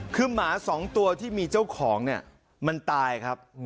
คือหมาสองตัวที่มีเจ้าของเนี่ยมันตายครับ